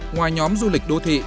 ngoài nhóm du lịch đô thị